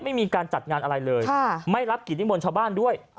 ไม่มีการจัดงานอะไรเลยไม่รับกิจนิมนต์ชาวบ้านด้วย